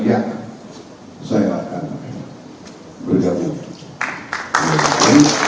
yang saya akan bergabung